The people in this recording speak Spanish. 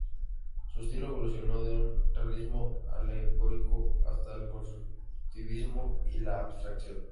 Su estilo evolucionó de un realismo alegórico hasta el constructivismo y la abstracción.